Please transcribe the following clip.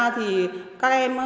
thì các em